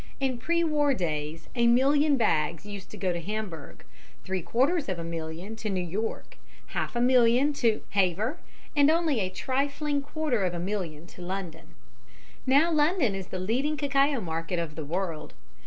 In pre war days a million bags used to go to Hamburg, three quarters of a million to New York, half a million to Havre, and only a trifling quarter of a million to London. Now London is the leading cacao market of the world.